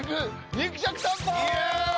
肉食さんぽ！